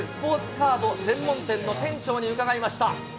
カード専門店の店長に伺いました。